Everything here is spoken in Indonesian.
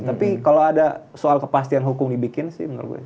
tapi kalau ada soal kepastian hukum dibikin sih menurut gue